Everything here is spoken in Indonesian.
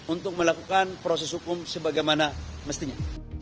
untuk melakukan proses hukum sebagaimana mestinya